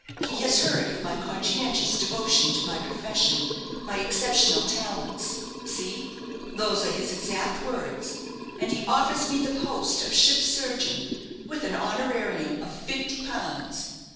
He has heard of my conscientious devotion to my profession my exceptional talents see, those are his exact words, and he offers me the post of ship's surgeon, with a honorarium of fifty pounds.